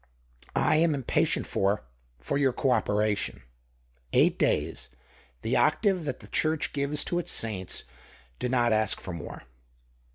I am impatient for — for your co operation. Eight days — the octave that the Church gives to its saints — do not ask for more."